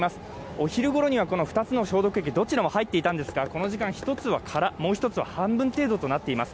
お昼ごろには２つの消毒液、どちらも入っていたんですが、この時間、１つは空、もう１つは半分程度となっています。